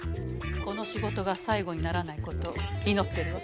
この仕事が最後にならないことを祈ってるわ。